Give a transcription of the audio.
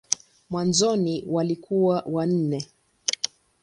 Mwanzoni walikuwa wanne.